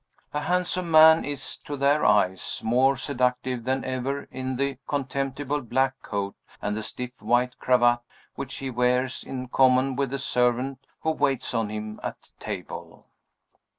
A handsome man is, to their eyes, more seductive than ever in the contemptible black coat and the stiff white cravat which he wears in common with the servant who waits on him at table.